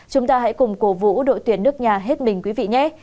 chúng ta hãy cùng cổ vũ đội tuyển nước nhà hết mình quý vị nhé